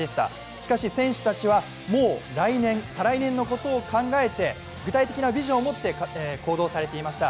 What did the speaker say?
しかし選手たちは、もう来年、再来年のことを考えて具体的なビジョンを持って行動されていました。